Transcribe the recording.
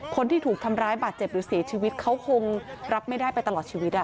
คนที่ถูกทำร้ายบาดเจ็บหรือเสียชีวิตเขาคงรับไม่ได้ไปตลอดชีวิต